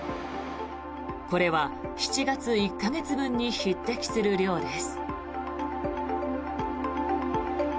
これは７月１か月分に匹敵する量です。